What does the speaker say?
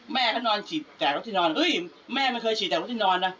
แม่เขานอนฉีดแต่รถที่นอนเฮ้ยแม่ไม่เคยฉีดแต่รถที่นอนนะ